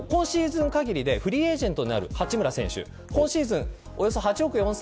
今シーズン限りでフリーエージェントになる八村選手。